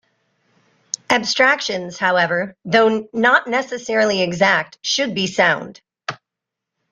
Abstractions, however, though not necessarily exact, should be sound.